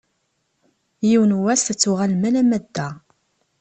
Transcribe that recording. Yiwen n wass ad d-tuɣalem alamma d da.